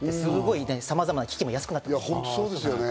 さまざまな機器も安くなってますし。